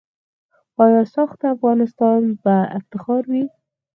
آیا "ساخت افغانستان" به افتخار وي؟